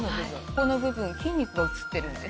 この部分筋肉が写ってるんです。